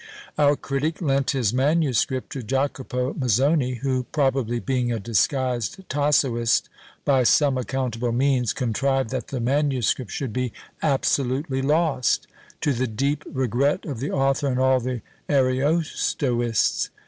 Our critic lent his manuscript to Jacopo Mazzoni, who, probably being a disguised Tassoist, by some accountable means contrived that the manuscript should be absolutely lost! to the deep regret of the author and all the Ariostoists.